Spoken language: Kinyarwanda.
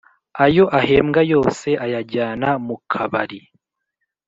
Ayo ahembwa yose ayajyana muka=bari